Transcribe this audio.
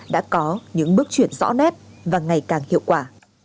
đã có những bước chuyển rõ nét và ngày càng hiệu quả